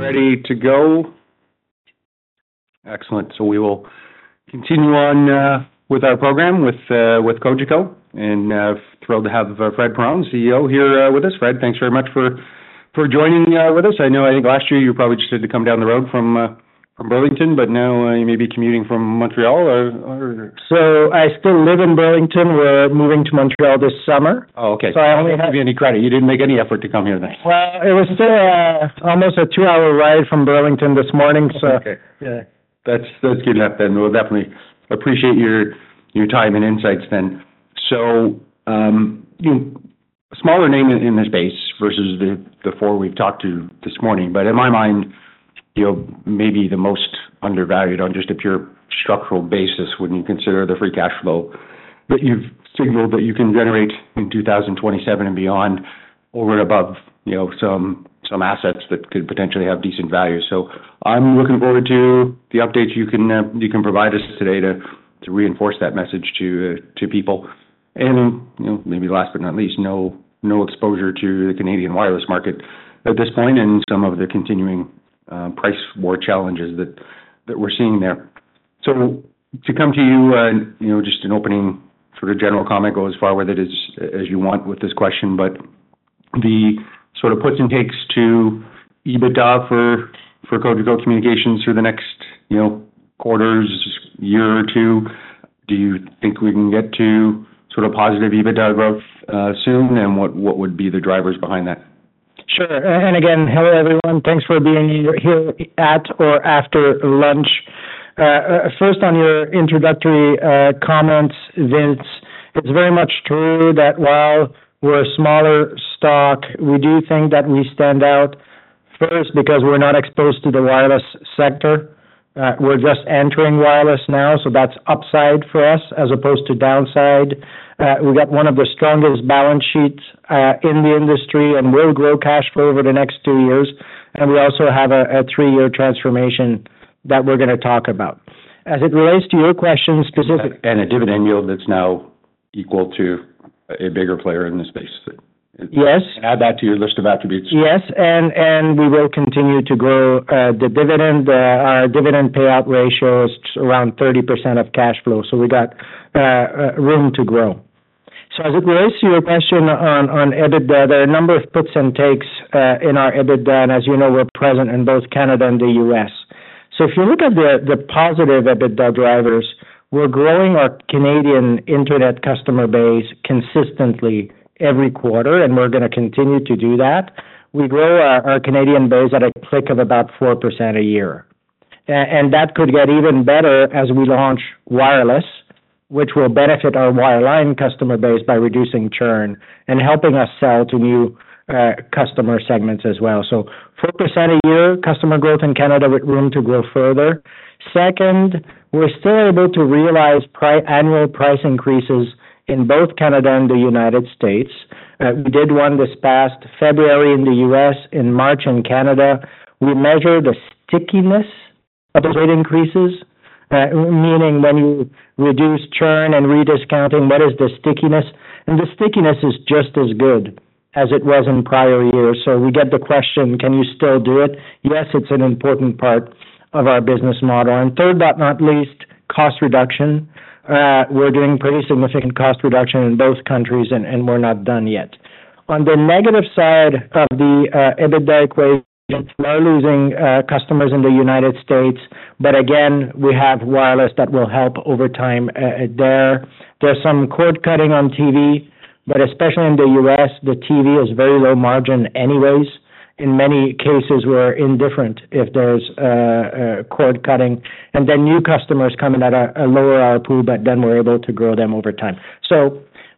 Ready to go. Excellent. We will continue on with our program with Cogeco, and thrilled to have Fred Perron, CEO, here with us. Fred, thanks very much for joining with us. I know I think last year you probably just had to come down the road from Burlington, but now you may be commuting from Montreal or. I still live in Burlington. We're moving to Montreal this summer. Oh, okay. I only have. That's good to give you any credit. You didn't make any effort to come here then. It was still almost a two-hour ride from Burlington this morning, so. Okay. That's good enough then. We'll definitely appreciate your time and insights then. A smaller name in this space versus the four we've talked to this morning, but in my mind, maybe the most undervalued on just a pure structural basis when you consider the free cash flow that you've signaled that you can generate in 2027 and beyond, over and above some assets that could potentially have decent value. I'm looking forward to the updates you can provide us today to reinforce that message to people. Maybe last but not least, no exposure to the Canadian wireless market at this point and some of the continuing price war challenges that we're seeing there. To come to you, just an opening sort of general comment, go as far with it as you want with this question, but the sort of puts and takes to EBITDA for Cogeco Communications through the next quarters, year or two. Do you think we can get to sort of positive EBITDA growth soon, and what would be the drivers behind that? Sure. Hello everyone. Thanks for being here at or after lunch. First, on your introductory comments, Vince, it's very much true that while we're a smaller stock, we do think that we stand out first because we're not exposed to the wireless sector. We're just entering wireless now, so that's upside for us as opposed to downside. We got one of the strongest balance sheets in the industry and will grow cash flow over the next two years. We also have a three-year transformation that we're going to talk about. As it relates to your question specifically. A dividend yield that's now equal to a bigger player in this space. Yes. Add that to your list of attributes. Yes. We will continue to grow. Our dividend payout ratio is around 30% of cash flow, so we got room to grow. As it relates to your question on EBITDA, there are a number of puts and takes in our EBITDA, and as you know, we're present in both Canada and the U.S. If you look at the positive EBITDA drivers, we're growing our Canadian internet customer base consistently every quarter, and we're going to continue to do that. We grow our Canadian base at a click of about 4% a year. That could get even better as we launch wireless, which will benefit our wireline customer base by reducing churn and helping us sell to new customer segments as well. 4% a year customer growth in Canada, room to grow further. Second, we're still able to realize annual price increases in both Canada and the United States. We did one this past February in the U.S., in March in Canada. We measure the stickiness of the rate increases, meaning when you reduce churn and rediscounting, what is the stickiness? The stickiness is just as good as it was in prior years. We get the question, can you still do it? Yes, it's an important part of our business model. Third, but not least, cost reduction. We're doing pretty significant cost reduction in both countries, and we're not done yet. On the negative side of the EBITDA equation, we're losing customers in the United States, but again, we have wireless that will help over time there. There's some cord cutting on TV, but especially in the U.S., the TV is very low margin anyways. In many cases, we're indifferent if there's cord cutting. And then new customers coming at a lower output, but then we're able to grow them over time.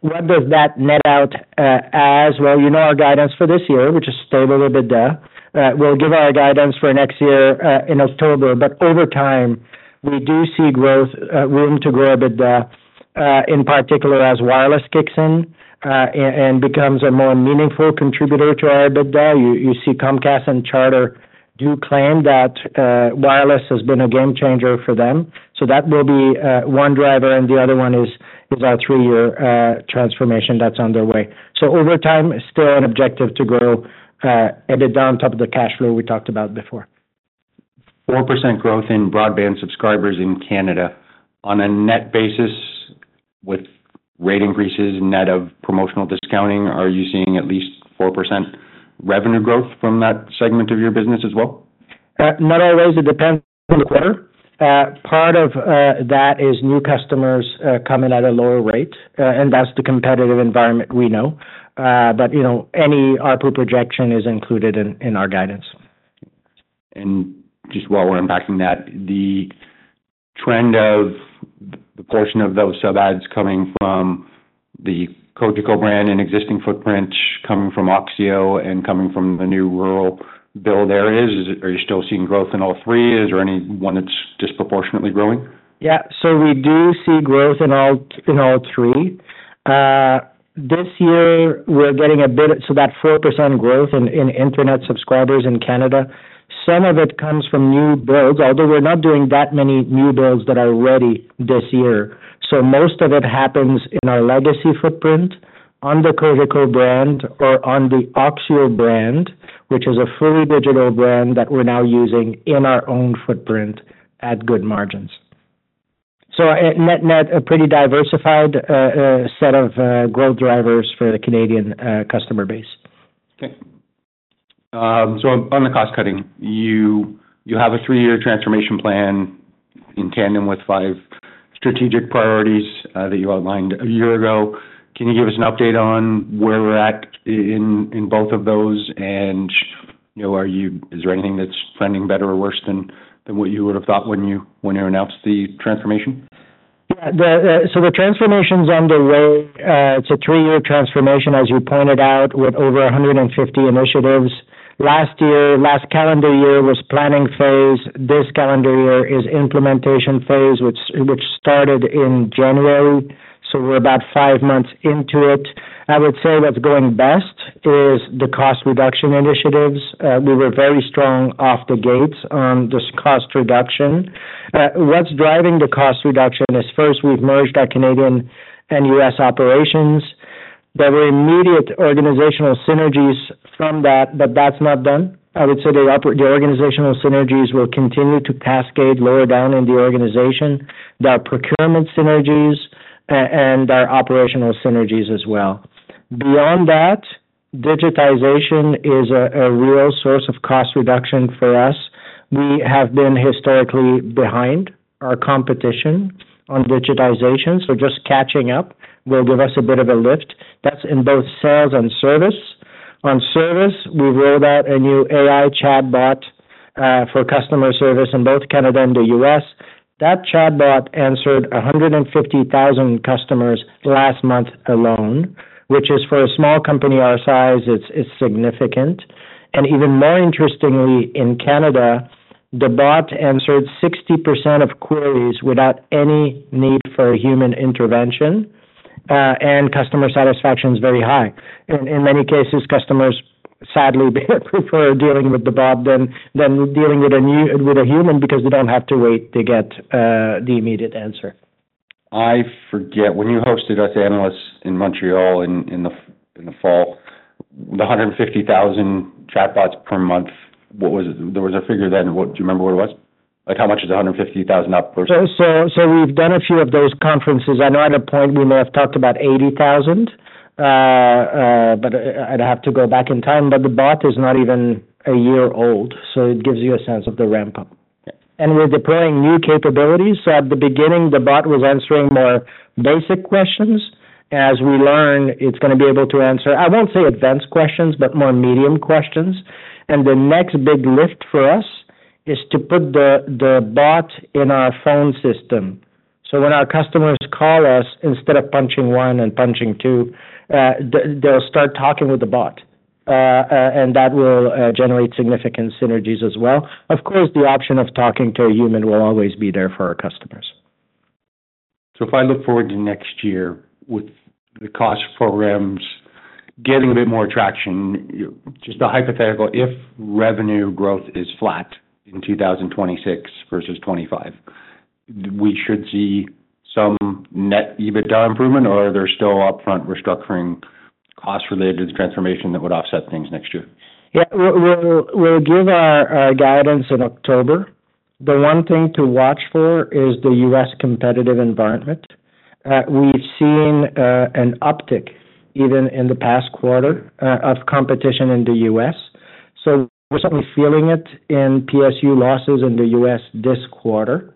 What does that net out as? You know our guidance for this year, which is stable EBITDA. We'll give our guidance for next year in October, but over time, we do see growth, room to grow EBITDA, in particular as wireless kicks in and becomes a more meaningful contributor to our EBITDA. You see Comcast and Charter do claim that wireless has been a game changer for them. That will be one driver, and the other one is our three-year transformation that's on their way. Over time, still an objective to grow EBITDA on top of the cash flow we talked about before. 4% growth in broadband subscribers in Canada. On a net basis, with rate increases, net of promotional discounting, are you seeing at least 4% revenue growth from that segment of your business as well? Not always. It depends on the quarter. Part of that is new customers coming at a lower rate, and that is the competitive environment we know. Any output projection is included in our guidance. Just while we're unpacking that, the trend of the portion of those sub-adds coming from the Cogeco brand and existing footprint, coming from Axio and coming from the new rural build areas, are you still seeing growth in all three? Is there any one that's disproportionately growing? Yeah. We do see growth in all three. This year, we're getting a bit of that 4% growth in internet subscribers in Canada. Some of it comes from new builds, although we're not doing that many new builds that are ready this year. Most of it happens in our legacy footprint on the Cogeco brand or on the Axio brand, which is a fully digital brand that we're now using in our own footprint at good margins. Net, a pretty diversified set of growth drivers for the Canadian customer base. Okay. On the cost cutting, you have a three-year transformation plan in tandem with five strategic priorities that you outlined a year ago. Can you give us an update on where we're at in both of those? Is there anything that's trending better or worse than what you would have thought when you announced the transformation? Yeah. The transformation's underway. It's a three-year transformation, as you pointed out, with over 150 initiatives. Last year, last calendar year was planning phase. This calendar year is implementation phase, which started in January. We're about five months into it. I would say what's going best is the cost reduction initiatives. We were very strong off the gates on this cost reduction. What's driving the cost reduction is, first, we've merged our Canadian and U.S. operations. There were immediate organizational synergies from that, but that's not done. I would say the organizational synergies will continue to cascade lower down in the organization. There are procurement synergies and there are operational synergies as well. Beyond that, digitization is a real source of cost reduction for us. We have been historically behind our competition on digitization, so just catching up will give us a bit of a lift. That's in both sales and service. On service, we rolled out a new AI Chatbot for customer service in both Canada and the U.S. That chatbot answered 150,000 customers last month alone, which is for a small company our size, it's significant. Even more interestingly, in Canada, the bot answered 60% of queries without any need for human intervention, and customer satisfaction is very high. In many cases, customers sadly prefer dealing with the bot than dealing with a human because they don't have to wait to get the immediate answer. I forget. When you hosted us analysts in Montreal in the fall, the 150,000 chatbots per month, there was a figure then. Do you remember what it was? How much is 150,000 per? We've done a few of those conferences. I know at a point we may have talked about 80,000, but I'd have to go back in time. The bot is not even a year old, so it gives you a sense of the ramp-up. We're deploying new capabilities. At the beginning, the bot was answering more basic questions. As we learn, it's going to be able to answer, I won't say advanced questions, but more medium questions. The next big lift for us is to put the bot in our phone system. When our customers call us, instead of punching one and punching two, they'll start talking with the bot, and that will generate significant synergies as well. Of course, the option of talking to a human will always be there for our customers. If I look forward to next year with the cost programs getting a bit more traction, just a hypothetical, if revenue growth is flat in 2026 versus 2025, we should see some net EBITDA improvement, or are there still upfront restructuring cost-related transformation that would offset things next year? Yeah. We'll give our guidance in October. The one thing to watch for is the U.S. competitive environment. We've seen an uptick even in the past quarter of competition in the U.S. We're certainly feeling it in PSU losses in the U.S. this quarter.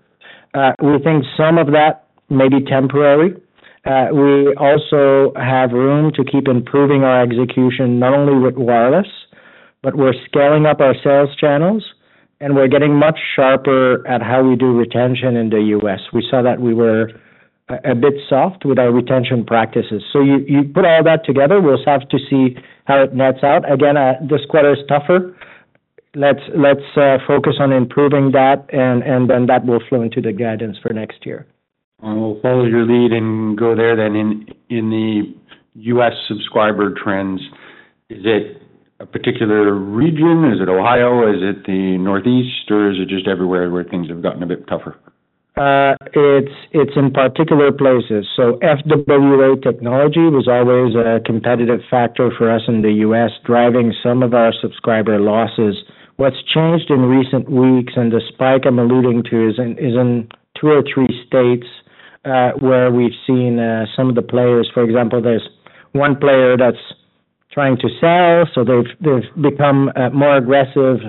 We think some of that may be temporary. We also have room to keep improving our execution, not only with wireless, but we're scaling up our sales channels, and we're getting much sharper at how we do retention in the U.S. We saw that we were a bit soft with our retention practices. You put all that together, we'll have to see how it nets out. Again, this quarter is tougher. Let's focus on improving that, and then that will flow into the guidance for next year. I will follow your lead and go there then. In the U.S. subscriber trends, is it a particular region? Is it Ohio? Is it the Northeast? Or is it just everywhere where things have gotten a bit tougher? It's in particular places. FWA technology was always a competitive factor for us in the U.S., driving some of our subscriber losses. What's changed in recent weeks and the spike I'm alluding to is in two or three states where we've seen some of the players. For example, there's one player that's trying to sell, so they've become more aggressive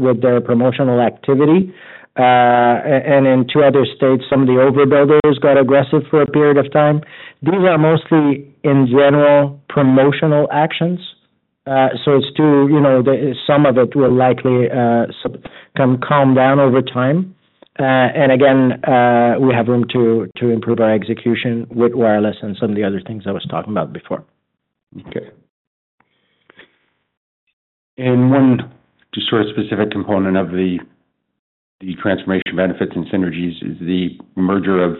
with their promotional activity. In two other states, some of the overbuilders got aggressive for a period of time. These are mostly, in general, promotional actions. It is true some of it will likely calm down over time. Again, we have room to improve our execution with wireless and some of the other things I was talking about before. Okay. And one just sort of specific component of the transformation benefits and synergies is the merger of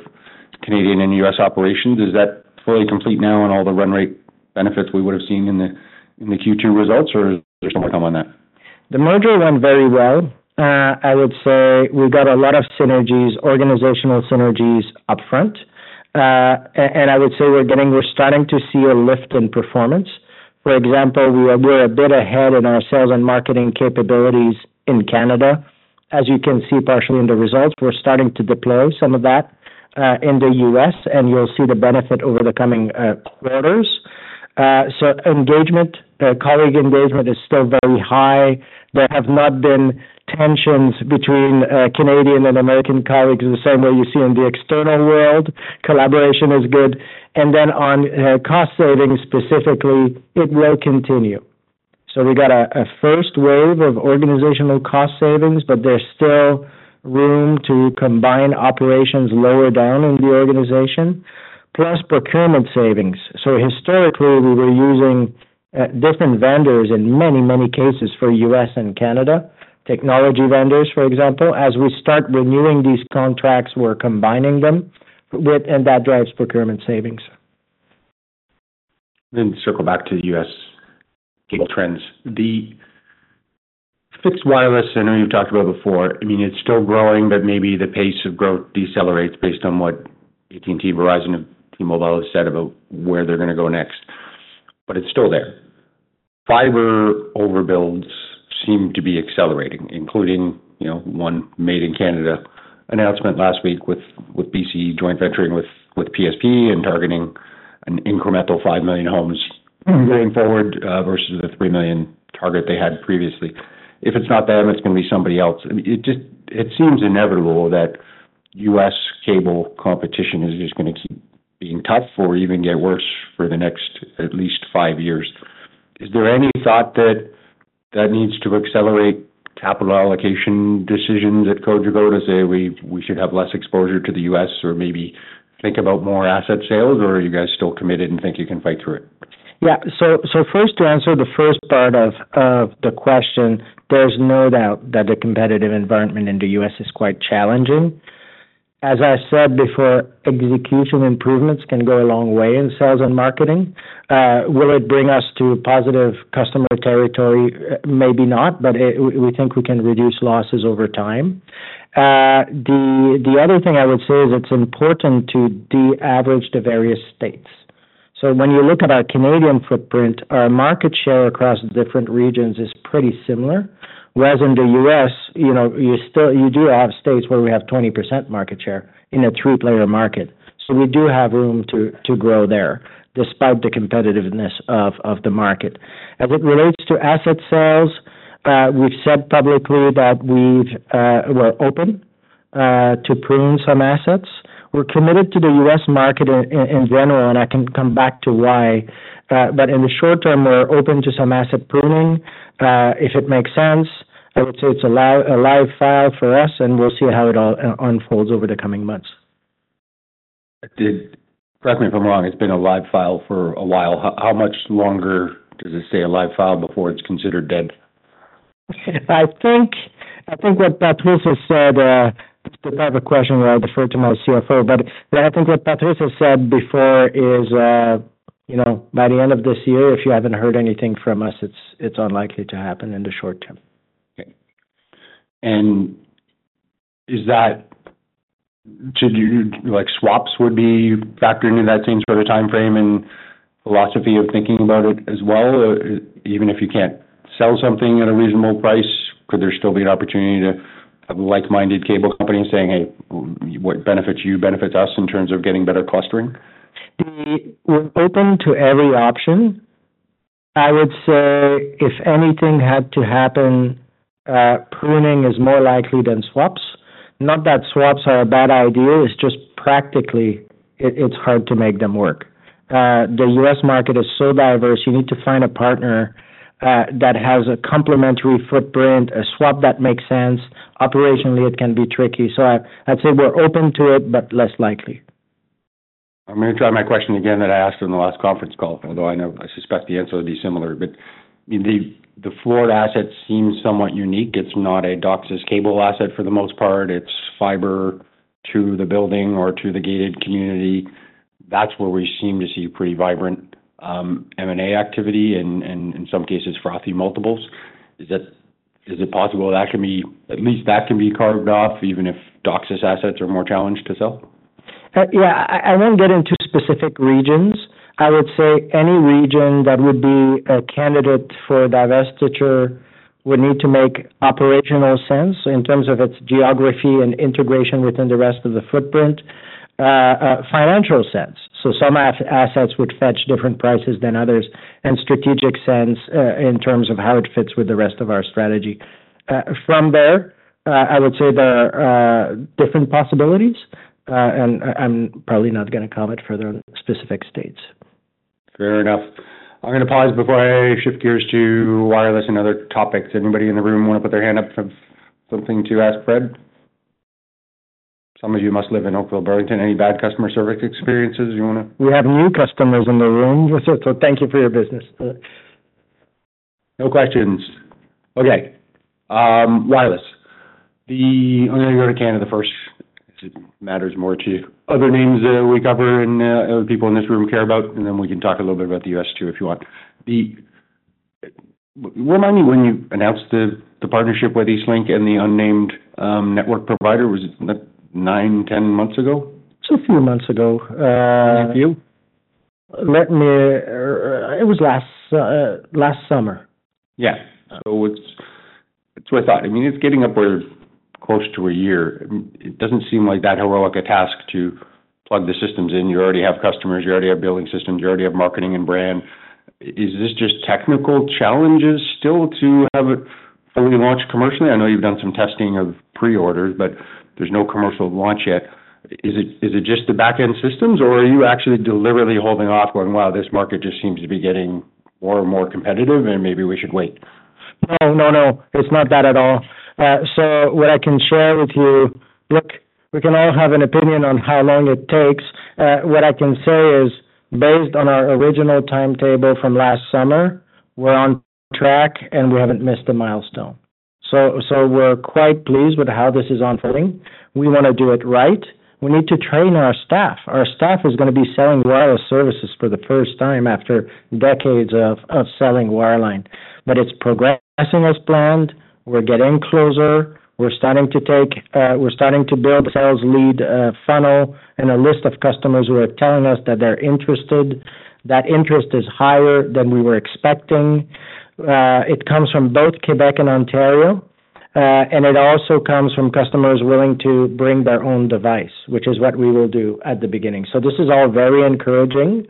Canadian and U.S. operations. Is that fully complete now on all the run rate benefits we would have seen in the Q2 results, or is there something coming on that? The merger went very well. I would say we got a lot of synergies, organizational synergies upfront. I would say we're starting to see a lift in performance. For example, we're a bit ahead in our sales and marketing capabilities in Canada. As you can see partially in the results, we're starting to deploy some of that in the U.S., and you'll see the benefit over the coming quarters. Colleague engagement is still very high. There have not been tensions between Canadian and American colleagues the same way you see in the external world. Collaboration is good. On cost savings specifically, it will continue. We got a first wave of organizational cost savings, but there's still room to combine operations lower down in the organization, plus procurement savings. Historically, we were using different vendors in many, many cases for U.S. and Canada, technology vendors, for example. As we start renewing these contracts, we're combining them, and that drives procurement savings. To circle back to the U.S. trends. The fixed wireless, I know you've talked about before. I mean, it's still growing, but maybe the pace of growth decelerates based on what AT&T, Verizon, and T-Mobile have said about where they're going to go next. I mean, it's still there. Fiber overbuilds seem to be accelerating, including one made in Canada announcement last week with BCE joint venturing with PSP and targeting an incremental 5 million homes going forward versus the 3 million target they had previously. If it's not them, it's going to be somebody else. It seems inevitable that U.S. cable competition is just going to keep being tough or even get worse for the next at least five years. Is there any thought that that needs to accelerate capital allocation decisions at Cogeco to say, "We should have less exposure to the U.S.," or maybe think about more asset sales, or are you guys still committed and think you can fight through it? Yeah. To answer the first part of the question, there is no doubt that the competitive environment in the U.S. is quite challenging. As I said before, execution improvements can go a long way in sales and marketing. Will it bring us to positive customer territory? Maybe not, but we think we can reduce losses over time. The other thing I would say is it is important to de-average the various states. When you look at our Canadian footprint, our market share across different regions is pretty similar. Whereas in the U.S., you do have states where we have 20% market share in a three-player market. We do have room to grow there despite the competitiveness of the market. As it relates to asset sales, we have said publicly that we are open to prune some assets. We're committed to the U.S. market in general, and I can come back to why. In the short term, we're open to some asset pruning if it makes sense. I would say it's a live file for us, and we'll see how it all unfolds over the coming months. Correct me if I'm wrong. It's been a live file for a while. How much longer does it stay a live file before it's considered dead? I think what Patrice has said, this type of question where I defer to my CFO, but I think what Patrice has said before is by the end of this year, if you have not heard anything from us, it is unlikely to happen in the short term. Okay. Should swaps be factored into that same sort of timeframe and philosophy of thinking about it as well? Even if you cannot sell something at a reasonable price, could there still be an opportunity to have a like-minded cable company saying, "Hey, what benefits you, benefits us in terms of getting better clustering? We're open to every option. I would say, if anything had to happen, pruning is more likely than swaps. Not that swaps are a bad idea. It's just practically hard to make them work. The U.S. market is so diverse. You need to find a partner that has a complementary footprint, a swap that makes sense. Operationally, it can be tricky. I would say we're open to it, but less likely. I'm going to try my question again that I asked in the last conference call, although I suspect the answer will be similar. The floor asset seems somewhat unique. It's not a DOCSIS cable asset for the most part. It's fiber to the building or to the gated community. That's where we seem to see pretty vibrant M&A activity and, in some cases, frothy multiples. Is it possible that can be—at least that can be carved off, even if DOCSIS assets are more challenged to sell? Yeah. I won't get into specific regions. I would say any region that would be a candidate for divestiture would need to make operational sense in terms of its geography and integration within the rest of the footprint, financial sense. So some assets would fetch different prices than others, and strategic sense in terms of how it fits with the rest of our strategy. From there, I would say there are different possibilities, and I'm probably not going to comment further on specific states. Fair enough. I'm going to pause before I shift gears to wireless and other topics. Anybody in the room want to put their hand up for something to ask Fred? Some of you must live in Oakville, Burlington. Any bad customer service experiences you want to? We have new customers in the room, so thank you for your business. No questions. Okay. Wireless. I'm going to go to Canada first. It matters more to you. Other names that we cover and other people in this room care about, and then we can talk a little bit about the U.S. too if you want. Remind me when you announced the partnership with EastLink and the unnamed network provider. Was it nine, ten months ago? It's a few months ago. It's a few? It was last summer. Yeah. So it's with that. I mean, it's getting up close to a year. It doesn't seem like that heroic a task to plug the systems in. You already have customers. You already have building systems. You already have marketing and brand. Is this just technical challenges still to have it fully launched commercially? I know you've done some testing of pre-orders, but there's no commercial launch yet. Is it just the backend systems, or are you actually deliberately holding off going, "Wow, this market just seems to be getting more and more competitive, and maybe we should wait"? No, no, no. It's not that at all. What I can share with you, look, we can all have an opinion on how long it takes. What I can say is, based on our original timetable from last summer, we're on track, and we haven't missed a milestone. We're quite pleased with how this is unfolding. We want to do it right. We need to train our staff. Our staff is going to be selling wireless services for the first time after decades of selling wireline. It's progressing as planned. We're getting closer. We're starting to take—we're starting to build a sales lead funnel and a list of customers who are telling us that they're interested. That interest is higher than we were expecting. It comes from both Quebec and Ontario, and it also comes from customers willing to bring their own device, which is what we will do at the beginning. This is all very encouraging.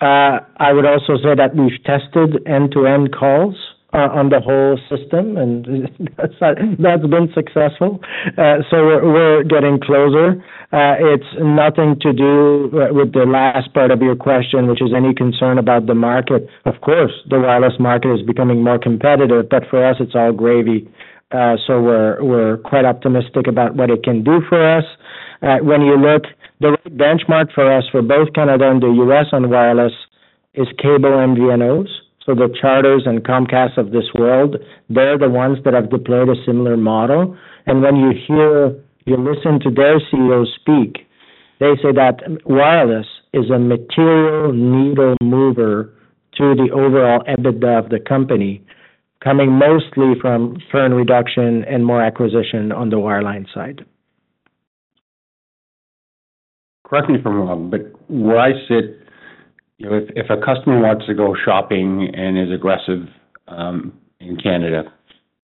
I would also say that we've tested end-to-end calls on the whole system, and that's been successful. We are getting closer. It has nothing to do with the last part of your question, which is any concern about the market. Of course, the wireless market is becoming more competitive, but for us, it's all gravy. We are quite optimistic about what it can do for us. When you look, the benchmark for us for both Canada and the U.S. on wireless is cable MVNOs. The Charters and Comcast of this world, they're the ones that have deployed a similar model. When you hear—you listen to their CEO speak, they say that wireless is a material needle mover to the overall EBITDA of the company, coming mostly from churn reduction and more acquisition on the wireline side. Correct me if I'm wrong, but where I sit, if a customer wants to go shopping and is aggressive in Canada,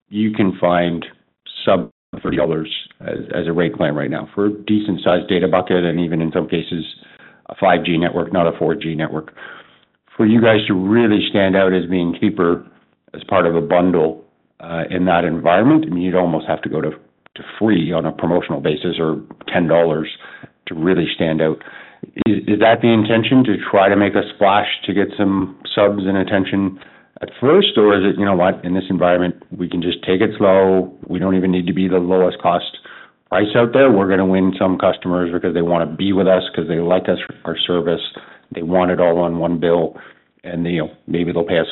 you can find sub-40 hours as a rate plan right now for a decent-sized data bucket and even in some cases a 5G network, not a 4G network. For you guys to really stand out as being cheaper as part of a bundle in that environment, I mean, you'd almost have to go to free on a promotional basis or $10 to really stand out. Is that the intention to try to make a splash to get some subs and attention at first, or is it, "You know what? In this environment, we can just take it slow. We don't even need to be the lowest-cost price out there. We're going to win some customers because they want to be with us because they like our service. They want it all on one bill, and maybe they'll pay us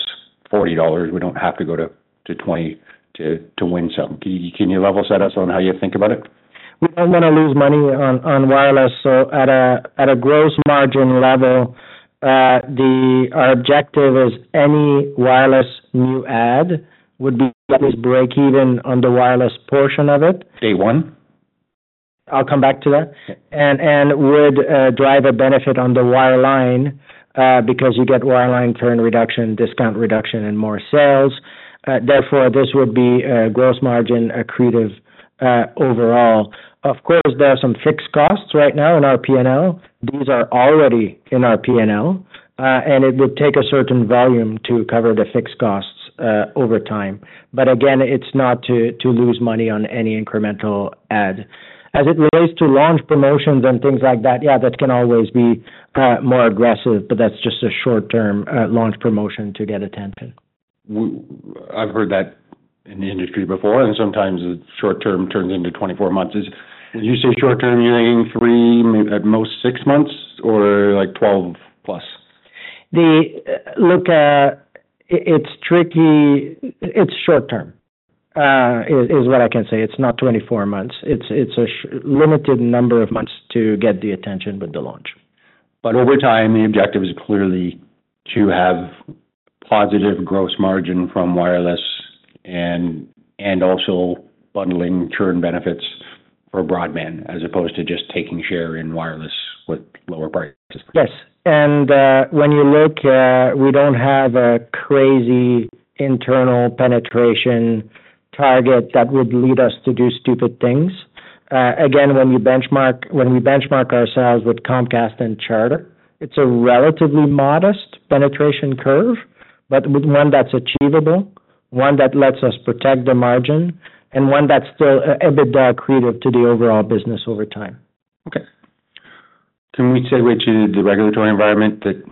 $40. We don't have to go to $20 to win some. Can you level set us on how you think about it? We don't want to lose money on wireless. At a gross margin level, our objective is any wireless new add would be at least break even on the wireless portion of it. Day one? I'll come back to that. It would drive a benefit on the wireline because you get wireline churn reduction, discount reduction, and more sales. Therefore, this would be a gross margin accretive overall. Of course, there are some fixed costs right now in our P&L. These are already in our P&L, and it would take a certain volume to cover the fixed costs over time. Again, it's not to lose money on any incremental ad. As it relates to launch promotions and things like that, yeah, that can always be more aggressive, but that's just a short-term launch promotion to get attention. I've heard that in the industry before, and sometimes the short-term turns into 24 months. When you say short-term, you're thinking three, at most six months, or like 12-plus? Look, it's tricky. It's short-term is what I can say. It's not 24 months. It's a limited number of months to get the attention with the launch. Over time, the objective is clearly to have positive gross margin from wireless and also bundling churn benefits for broadband as opposed to just taking share in wireless with lower prices. Yes. When you look, we do not have a crazy internal penetration target that would lead us to do stupid things. Again, when we benchmark ourselves with Comcast and Charter, it is a relatively modest penetration curve, but one that is achievable, one that lets us protect the margin, and one that is still EBITDA accretive to the overall business over time. Okay. Can we segue to the regulatory environment that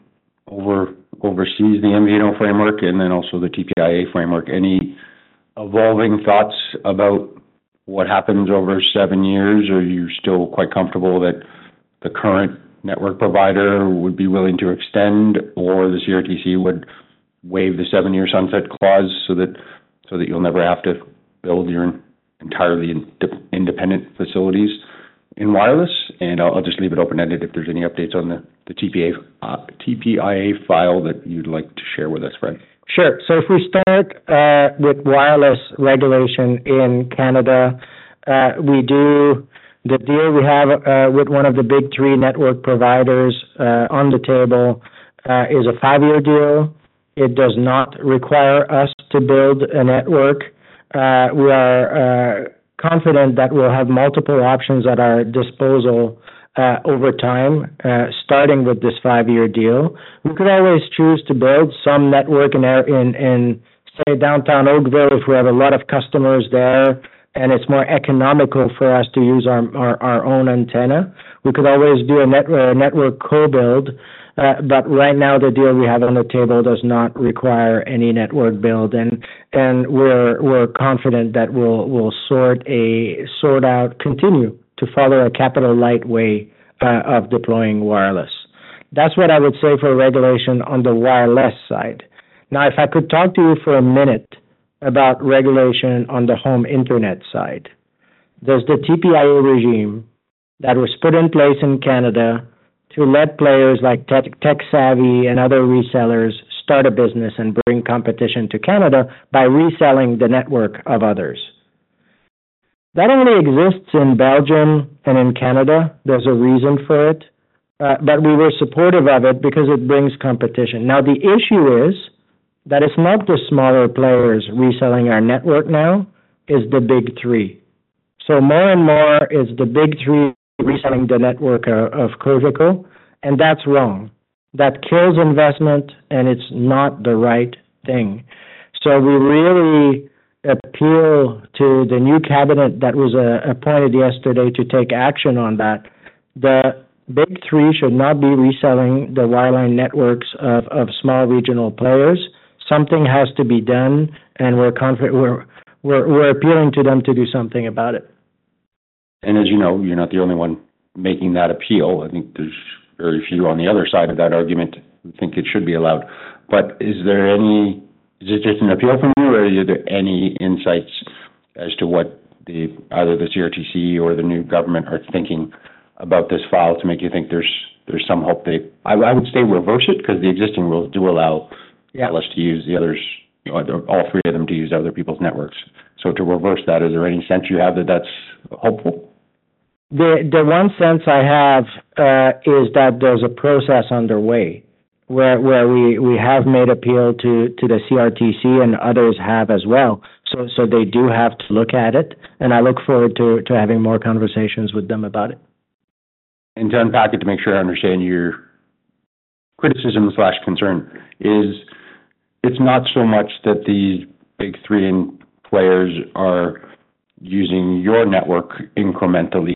oversees the MVNO framework and then also the TPIA framework? Any evolving thoughts about what happens over seven years, or are you still quite comfortable that the current network provider would be willing to extend, or the CRTC would waive the seven-year sunset clause so that you'll never have to build your entirely independent facilities in wireless? I'll just leave it open-ended if there's any updates on the TPIA file that you'd like to share with us, Fred. Sure. If we start with wireless regulation in Canada, the deal we have with one of the big three network providers on the table is a five-year deal. It does not require us to build a network. We are confident that we'll have multiple options at our disposal over time, starting with this five-year deal. We could always choose to build some network in, say, downtown Oakville if we have a lot of customers there, and it's more economical for us to use our own antenna. We could always do a network co-build, but right now, the deal we have on the table does not require any network build. We are confident that we'll sort out, continue to follow a capital lightweight of deploying wireless. That's what I would say for regulation on the wireless side. Now, if I could talk to you for a minute about regulation on the home internet side, there's the TPIA regime that was put in place in Canada to let players like TekSavvy and other resellers start a business and bring competition to Canada by reselling the network of others. That only exists in Belgium and in Canada. There's a reason for it, but we were supportive of it because it brings competition. Now, the issue is that it's not the smaller players reselling our network now; it's the big three. More and more, it's the big three reselling the network of Cogeco, and that's wrong. That kills investment, and it's not the right thing. We really appeal to the new cabinet that was appointed yesterday to take action on that. The big three should not be reselling the wireline networks of small regional players. Something has to be done, and we're appealing to them to do something about it. As you know, you're not the only one making that appeal. I think there's very few on the other side of that argument who think it should be allowed. Is it just an appeal from you, or are there any insights as to what either the CRTC or the new government are thinking about this file to make you think there's some hope they—I would say reverse it because the existing rules do allow us to use the others—all three of them to use other people's networks. To reverse that, is there any sense you have that that's hopeful? The one sense I have is that there's a process underway where we have made an appeal to the CRTC, and others have as well. They do have to look at it, and I look forward to having more conversations with them about it. To unpack it, to make sure I understand your criticism or concern, it's not so much that these big three players are using your network incrementally.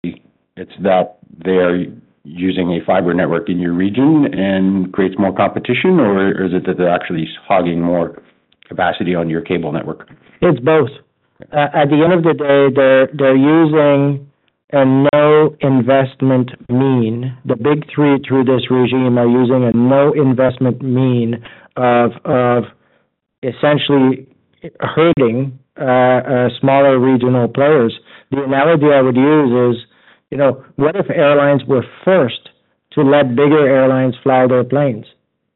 It's that they are using a fiber network in your region and it creates more competition, or is it that they're actually hogging more capacity on your cable network? It's both. At the end of the day, they're using a no-investment mean. The big three through this regime are using a no-investment mean of essentially hurting smaller regional players. The analogy I would use is, what if airlines were forced to let bigger airlines fly their planes?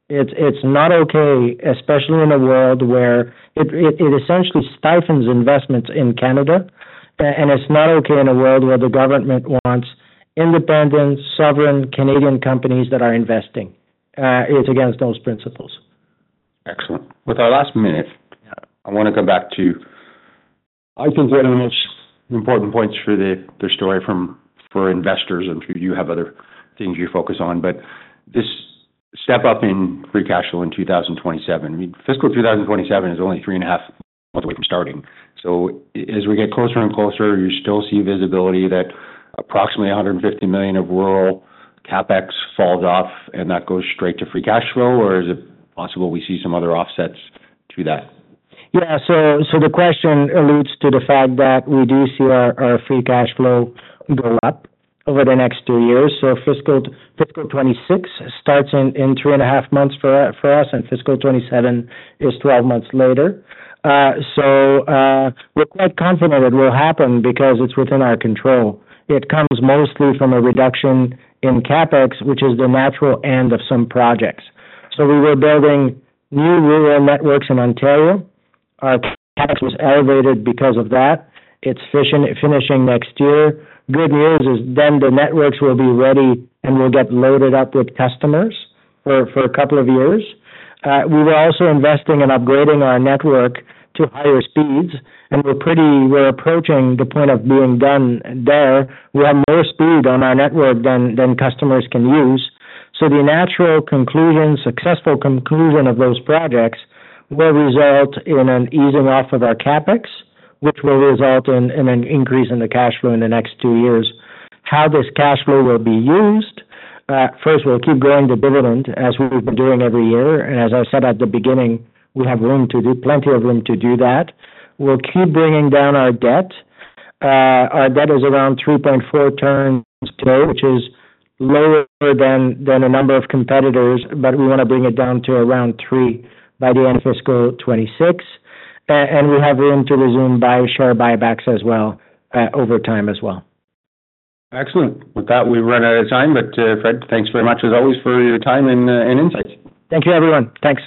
It's not okay, especially in a world where it essentially stifles investments in Canada, and it's not okay in a world where the government wants independent, sovereign Canadian companies that are investing. It's against those principles. Excellent. With our last minute, I want to go back to—I think there are much important points for the story for investors and for you to have other things you focus on, but this step up in free cash flow in 2027. I mean, fiscal 2027 is only three and a half months away from starting. As we get closer and closer, you still see visibility that approximately $150 million of rural CapEx falls off, and that goes straight to free cash flow, or is it possible we see some other offsets to that? Yeah. The question alludes to the fact that we do see our free cash flow go up over the next two years. Fiscal 2026 starts in three and a half months for us, and fiscal 2027 is 12 months later. We are quite confident it will happen because it is within our control. It comes mostly from a reduction in CapEx, which is the natural end of some projects. We were building new rural networks in Ontario. Our CapEx was elevated because of that. It is finishing next year. Good news is then the networks will be ready and will get loaded up with customers for a couple of years. We were also investing and upgrading our network to higher speeds, and we are approaching the point of being done there. We have more speed on our network than customers can use. The natural conclusion, successful conclusion of those projects will result in an easing off of our CapEx, which will result in an increase in the cash flow in the next two years. How this cash flow will be used? First, we'll keep growing the dividend as we've been doing every year. As I said at the beginning, we have room to do, plenty of room to do that. We'll keep bringing down our debt. Our debt is around 3.4 times today, which is lower than a number of competitors, but we want to bring it down to around 3 by the end of fiscal 2026. We have room to resume share buybacks as well over time as well. Excellent. With that, we've run out of time, but Fred, thanks very much as always for your time and insights. Thank you, everyone. Thanks.